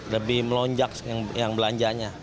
lebih melonjak yang belanjanya